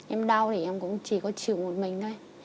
em đau thì em cũng chỉ có trường một mình thôi